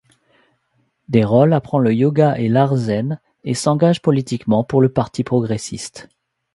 Derroll apprend le yoga et l’art Zen, et s’engage politiquement pour le Parti Progressiste.